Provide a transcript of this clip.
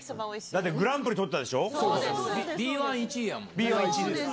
だってグランプリ取ったでしそうです。